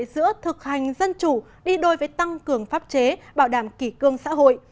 giữa thực hành dân chủ đi đôi với tăng cường pháp chế bảo đảm kỷ cương xã hội